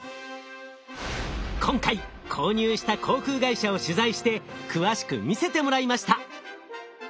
今回購入した航空会社を取材して詳しく見せてもらいました。